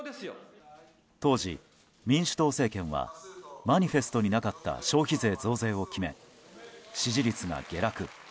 当時、民主党政権はマニフェストになかった消費税増税を決め支持率が下落。